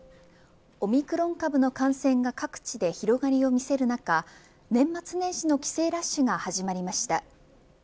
オミクロン株の感染が各地で広がりをみせる中年末年始の帰省ラッシュが始まりました。